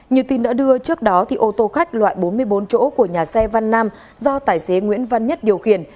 như tin đã đưa trước đó ô tô khách loại bốn mươi bốn chỗ của nhà xe văn nam do tài xế nguyễn văn nhất điều khiển